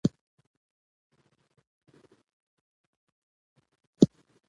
نااهلو خلکو ته کار سپارل ځوان کهول له زده کړو زړه توری کوي